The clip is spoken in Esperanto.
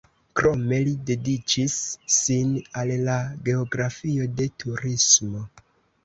Krome li dediĉis sin al la geografio de turismo.